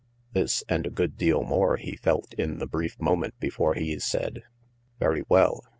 This, and a good deal more, he felt in the brief moment before he said : "Very well.